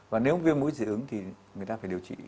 và nếu viêm mũi dị ứng thì người ta phải điều trị